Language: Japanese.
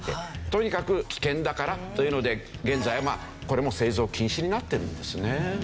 とにかく危険だからというので現在これも製造禁止になってるんですね。